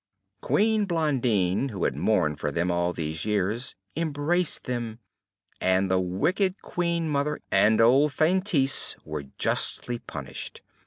Queen Blondine, who had mourned for them all these years, embraced them, and the wicked Queen Mother and old Feintise were justly punished.